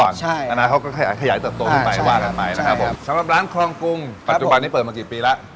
สำหรับร้านคลองกุ้งปัจจุบันนี้เปิดมากี่ปีแล้ว